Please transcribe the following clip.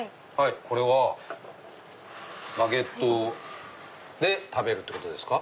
これはバゲットで食べるってことですか？